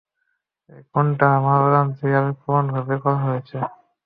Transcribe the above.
এই খুনটা আমার অজান্তেই আবেগপ্রবণ ভাবে করা হয়েছে।